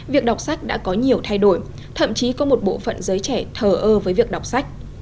việc đọc sách đã có nhiều thay đổi thậm chí có một bộ phận giới trẻ thờ ơ với việc đọc sách